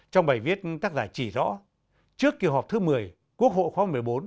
trong bài viết tác giả chỉ rõ trước kỳ họp thứ một mươi quốc hội khóa một mươi bốn